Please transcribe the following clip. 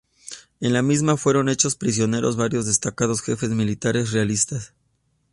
En la misma fueron hechos prisioneros varios destacados jefes militares realistas.